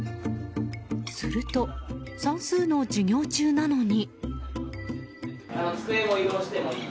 すると算数の授業中なのに。